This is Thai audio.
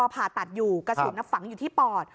ผ่าตัดอยู่กระสุนฝังอยู่ที่ปอด